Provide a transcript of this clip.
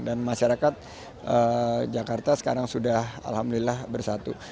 dan masyarakat jakarta sekarang sudah alhamdulillah bersatu